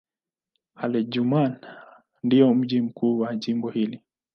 Al-Junaynah ndio mji mkuu wa jimbo hili.